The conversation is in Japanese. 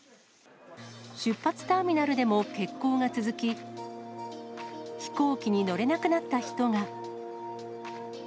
出発ターミナルでも欠航が続き、飛行機に乗れなくなった人が。